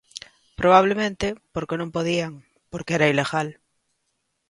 Probablemente porque non podían, porque era ilegal.